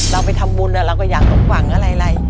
เราไปทำบุญเราก็อยากสมหวังอะไร